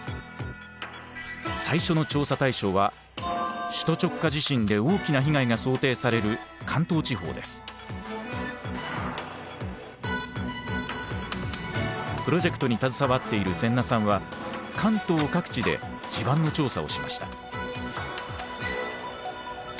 最初の調査対象は首都直下地震で大きな被害が想定されるプロジェクトに携わっている先名さんは関東各地で地盤の調査をしました。